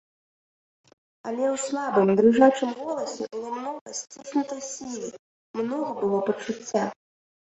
Але ў слабым дрыжачым голасе было многа сціснутай сілы, многа было пачуцця.